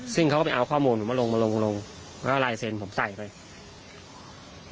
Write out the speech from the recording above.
ซึ่งเขาก็ไปเอาข้อมูลผมมาลงมาลงลงแล้วก็ลายเซ็นต์ผมใส่ไป